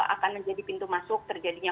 akan menjadi pintu masuk terjadinya